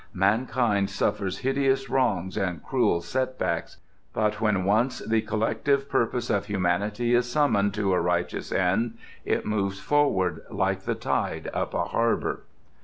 Mankind suffers hideous wrongs and cruel setbacks, but when once the collective purpose of humanity is summoned to a righteous end, it moves onward like the tide up a harbour.